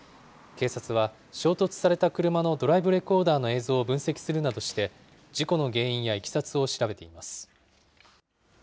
警察は衝突された車のドライブレコーダーの映像を分析するなどして、事故の原因やいきさつを調べています。